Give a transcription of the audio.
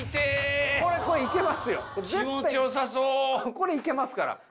これいけますから。